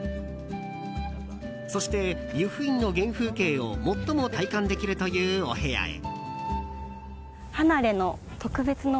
そして、由布院の原風景を最も体感できるというお部屋へ。